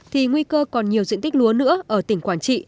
thì nguy cơ còn nhiều diện tích lúa nữa ở tỉnh quảng trị